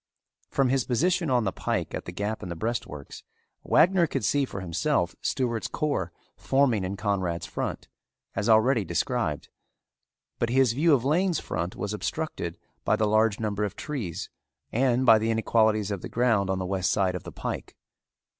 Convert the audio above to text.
From his position on the pike at the gap in the breastworks Wagner could see for himself Stewart's corps forming in Conrad's front, as already described, but his view of Lane's front was obstructed by the large number of trees and by the inequalities of the ground on the west side of the pike.